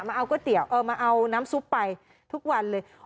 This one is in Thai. เอาก๋วยเตี๋ยวมาเอาน้ำซุปไปทุกวันเลย